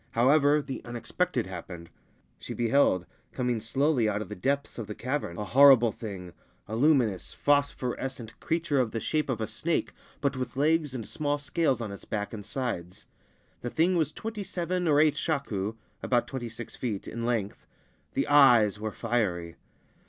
However, the unexpected happened. She beheld, coming slowly out of the depths of the cavern, a horrible thing, a luminous phosphorescem 1 06 O TOKOYO SEES YOFUNE NUSHI COMING TOWARDS HER A Story of Oki Islands creature of the shape of a snake, but with legs and small scales on its back and sides. The thing was twenty seven or eight shaku (about twenty six feet) in length. The eyes were fiery.